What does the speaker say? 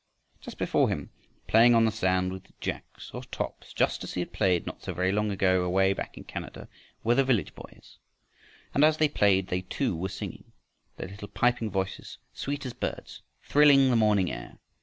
Just before him, playing on the sand with "jacks" or tops, just as he had played not so very long ago away back in Canada, were the village boys. And as they played they too were singing, their little piping voices, sweet as birds, thrilling the morning air.